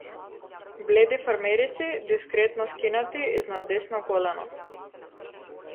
Бледи фармерици, дискретно скинати изнад десно колено.